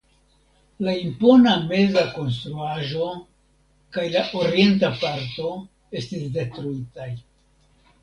La impona meza konstruaĵo kaj la orienta parto estis detruitaj.